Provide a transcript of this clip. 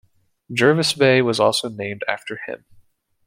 Jervis Bay was also named after him.